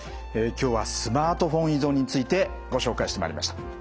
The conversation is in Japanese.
今日はスマートフォン依存についてご紹介してまいりました。